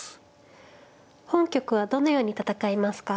本局はどのように戦いますか。